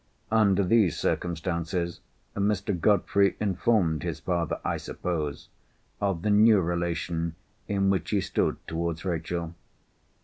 Under these circumstances, Mr. Godfrey informed his father, I suppose, of the new relation in which he stood towards Rachel.